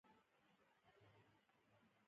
د ولس ستونزې دې حل شي.